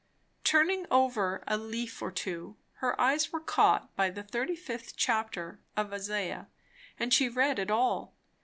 Turning over a leaf or two, her eyes were caught by the thirty fifth chapter of Isaiah, and she read it all.